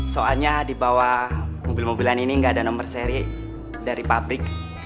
soalnya dibawah mobil mobilan ini gak ada nomor seri dari pabrik